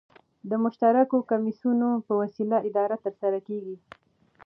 د مشترکو کمېسیونو په وسیله اداره ترسره کيږي.